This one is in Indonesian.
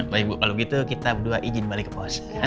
bapak ibu kalau gitu kita berdua izin balik ke pos